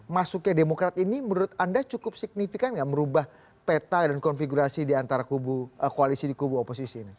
masuknya demokrat ini menurut anda cukup signifikan nggak merubah peta dan konfigurasi diantara koalisi di kubu oposisi ini